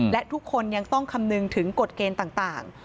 และทุกคนยังต้องคำนึงถึงกฎเกณฑ์ต่าง